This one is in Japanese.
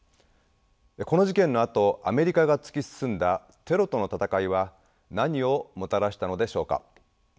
この事件のあとアメリカが突き進んだ「テロとの戦い」は何をもたらしたのでしょうか。